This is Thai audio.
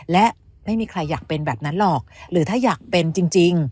และไม่มีใครอยากเป็นแบบนั้นหรอกหรือถ้าอยากเป็นจริง